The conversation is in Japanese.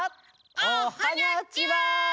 おはにゃちは！